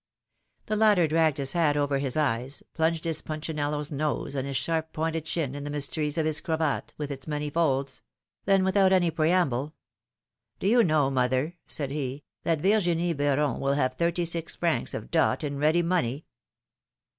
The latter dragged his hat over his eyes, plunged his Punchinello's nose and his sharp pointed chin in the mys teries of his cravat, with its many folds; then, without any preamble: ^^Do you know, mother," said he, ^^that Virginie Beuron will have thirty six francs of dot in ready money?"